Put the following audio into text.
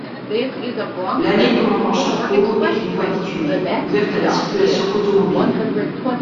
L'allée Commandant-Charcot est une voie bitumée, ouverte à la circulation automobile.